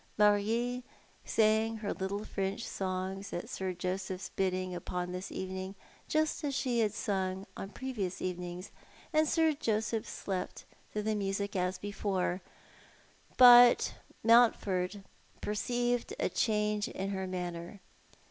Marie sang her little French songs at Sir Joseph's bidding upon this evening just as she had sung on previous evenings, atd Sir Joseph slept through the music as before ; but Mount ford perceived a change in her manner.